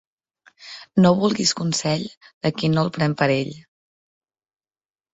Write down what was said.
No vulguis consell de qui no el pren per ell.